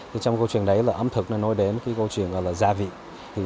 trong câu chuyện đấy ấm thực nói đến câu chuyện gọi là gia vị